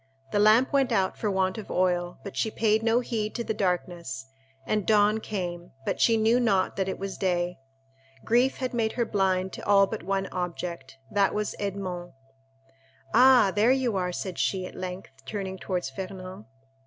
The lamp went out for want of oil, but she paid no heed to the darkness, and dawn came, but she knew not that it was day. Grief had made her blind to all but one object—that was Edmond. "Ah, you are there," said she, at length, turning towards Fernand.